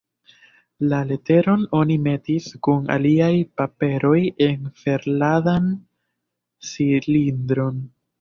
La leteron oni metis kun aliaj paperoj en ferladan cilindron.